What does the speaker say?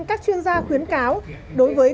các chuyên gia khuyến cáo đối với